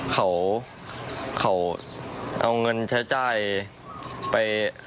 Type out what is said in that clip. เขาเอาเงินใช้จ่ายไป